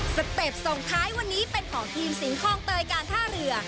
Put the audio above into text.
สเต็ปส่งท้ายวันนี้เป็นของทีมสิงคลองเตยการท่าเรือ